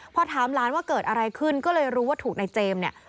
พอถามหลานว่าเกิดอะไรขึ้นก็เลยรู้ว่าถูกนายเจมส์เนี่ย